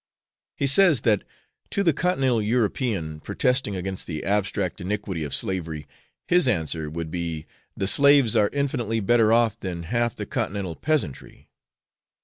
He says, that to the continental European protesting against the abstract iniquity of slavery, his answer would be, 'the slaves are infinitely better off than half the continental peasantry.'